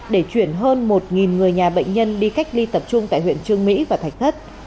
để chuyển hơn một người nhà bệnh nhân đi cách ly tập trung tại huyện trương mỹ và thạch thất